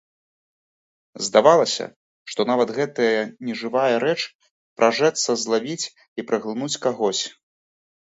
Здавалася, што нават гэтая нежывая рэч пражэцца злавіць і праглынуць кагось.